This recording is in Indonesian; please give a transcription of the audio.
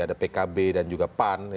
ada pkb dan juga pan